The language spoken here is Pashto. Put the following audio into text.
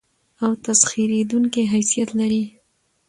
او تسخېرېدونکى حيثيت لري.